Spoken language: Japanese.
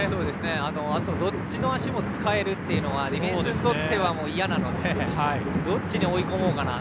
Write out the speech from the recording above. あとどっちの足も使えるというのはディフェンスにとっては嫌なのでどっちに追い込もうかなと。